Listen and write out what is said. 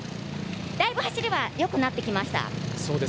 だいぶ走りはよくなってきました。